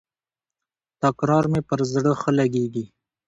تکرار مي پر زړه ښه لګیږي.